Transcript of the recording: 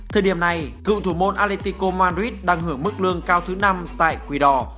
thời điểm này cựu thủ môn aletico madrid đang hưởng mức lương cao thứ năm tại quỳ đỏ